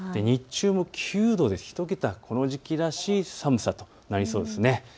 日中も９度で１桁、この時期らしい寒さとなりそうです。